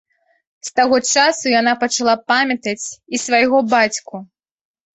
З таго часу яна пачала памятаць і свайго бацьку.